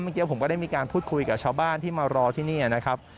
เมื่อกี้ผมก็ได้มีการพูดคุยกับชาวบ้านที่มารอที่นี่นะครับ